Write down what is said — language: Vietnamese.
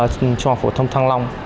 trường học phổ thông thăng long